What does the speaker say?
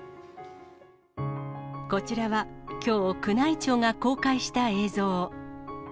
こちらはきょう、宮内庁が公開した映像。